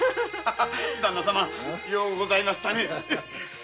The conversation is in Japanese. ダンナ様ようございましたね。